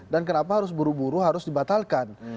dan kenapa harus buru buru harus dibatalkan